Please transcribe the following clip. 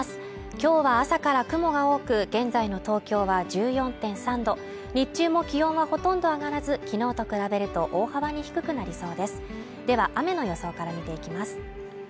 今日は朝から雲が多く、現在の東京は１４．３度日中も気温はほとんど上がらず、昨日と比べると大幅に低くなりそうですでは雨の予想から見ていきます。